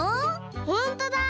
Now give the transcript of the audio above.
ほんとだ！